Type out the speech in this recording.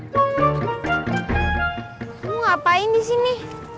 kamu ngapain disini